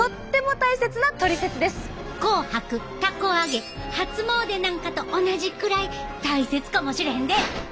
たこ揚げ初詣なんかと同じくらい大切かもしれへんで！